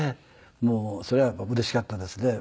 もうそれはやっぱりうれしかったですね。